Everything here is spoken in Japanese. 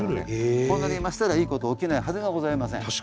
こんなに入れましたらいいこと起きないはずがございません。